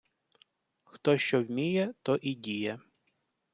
Хто що вміє, то і діє